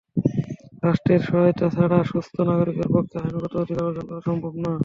রাষ্ট্রের সহায়তা ছাড়া দুস্থ নাগরিকের পক্ষে আইনগত অধিকার অর্জন করা সম্ভব না।